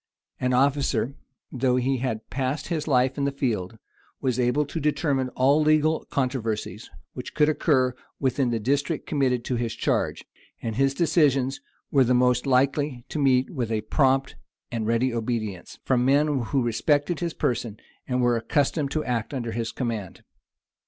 An officer, though he had passed his life in the field, was able to determine all legal controversies which could occur within the district committed to his charge; and his decisions were the most likely to meet with a prompt and ready obedience, from men who respected his person, and were accustomed to act under his command.